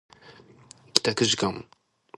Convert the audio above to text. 帰宅時間